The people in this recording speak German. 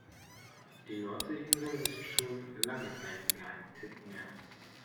Die Nordseeinsel ist schon lange kein Geheimtipp mehr.